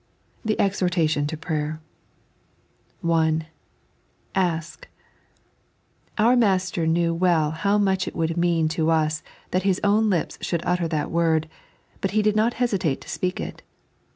The Exhobtatioh to Pratek. (1) Ask. Our Master knew well how much it would mean to us that His own lips should utter that word, but He did not hesitate to speak it.